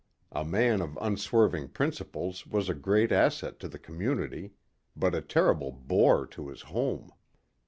A man of unswerving principles was a great asset to the community. But a terrible bore to his home.